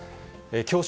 きょう正